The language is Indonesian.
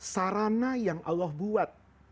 sarana yang allah buat